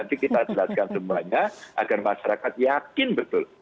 nanti kita jelaskan semuanya agar masyarakat yakin betul